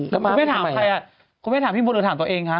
คุณไม่ถามใครอ่ะคุณไม่ถามพี่วุ้นคุณถามตัวเองฮะ